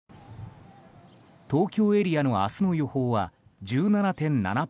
東京エリアの明日の予報は１７．７％。